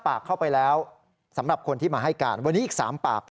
ปากเข้าไปแล้วสำหรับคนที่มาให้การวันนี้อีก๓ปาก